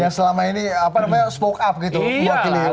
yang selama ini apa namanya spoke up gitu buat ini partai